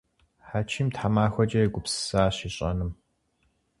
Хьэчим тхьэмахуэкӏэ егупсысащ ищӏэнум.